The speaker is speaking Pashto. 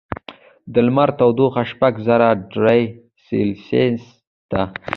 د لمر تودوخه شپږ زره ډګري سیلسیس ده.